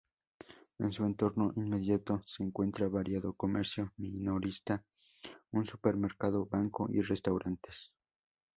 En su entorno inmediato se encuentra variado comercio minorista, un supermercado, banco y restaurantes.